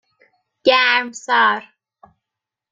گرمسار